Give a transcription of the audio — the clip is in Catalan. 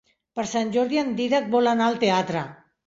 Per Sant Jordi en Dídac vol anar al teatre.